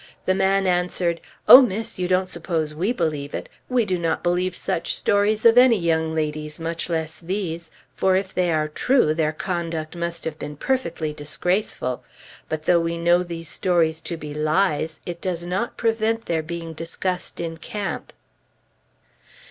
The man answered, "Oh, Miss! you don't suppose we believe it? We would not believe such stories of any young ladies, much less these; for if they are true, their conduct must have been perfectly disgraceful. But though we know these stories to be lies, it does not prevent their being discussed in camp."...